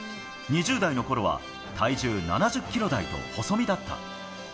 ２０代のころは体重７０キロ台と細身だった。